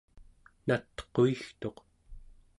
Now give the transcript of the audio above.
natquigtuq